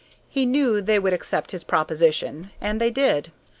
He knew they would accept his proposition, and they did.